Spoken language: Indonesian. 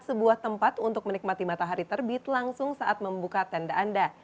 sebuah tempat untuk menikmati matahari terbit langsung saat membuka tenda anda